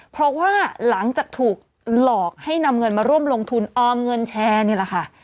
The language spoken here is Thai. เพราะว่าหลังจากถูกหลอกให้นำเงินมาร่วมลงทุนออมเงินแชร์นี่แหละค่ะ